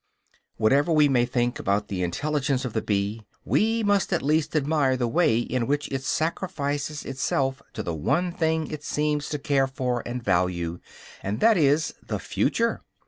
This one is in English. Whatever we may think about the intelligence of the bee, we must at least admire the way in which it sacrifices itself to the one thing it seems to care for or value and that is, the future.